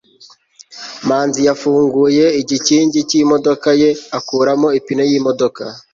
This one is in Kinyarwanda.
manzi yafunguye igikingi cyimodoka ye akuramo ipine yimodoka